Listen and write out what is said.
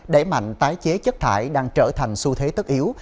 đẩy mạnh tái chế chất thải đang trở thành xu thế tất yếu